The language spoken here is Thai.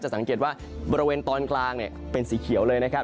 สังเกตว่าบริเวณตอนกลางเป็นสีเขียวเลยนะครับ